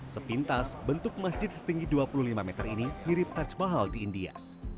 sepintas bentuk masjid setinggi dua puluh lima meter ini mirip taj mahal di india